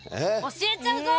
教えちゃうぞ！